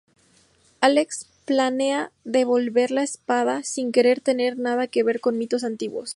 Alex planea devolver la espada, sin querer tener nada que ver con mitos antiguos.